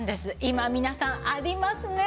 今皆さんありますね